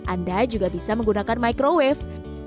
anda juga bisa menggunakan microwave